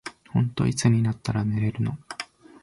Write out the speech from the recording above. ほんとにいつになったら寝れるの。